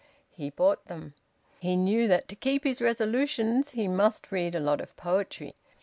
He bought them. He knew that to keep his resolutions he must read a lot of poetry.